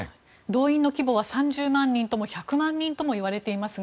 動員の規模は３０万人とも１００万人ともいわれてます。